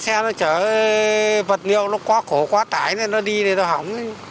xe nó chở vật liệu nó quá khổ quá tải nó đi thì nó hỏng